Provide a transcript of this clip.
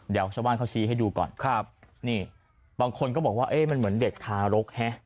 เดี๋ยวชาวบ้านเขาชี้ให้ดูก่อนครับนี่บางคนก็บอกว่าเอ๊ะมันเหมือนเด็กทารกฮะ